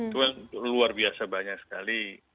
itu luar biasa banyak sekali